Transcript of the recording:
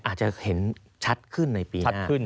อาจจะเห็นชัดขึ้นในปีหน้า